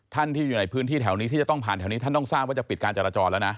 ท่านที่อยู่ในพื้นที่แถวนี้ที่จะต้องผ่านแถวนี้ท่านต้องทราบว่าจะปิดการจราจรแล้วนะ